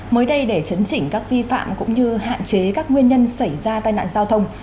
mới đây để chấn chỉnh các vi phạm cũng như hạn chế các nguyên nhân xảy ra tai nạn giao thông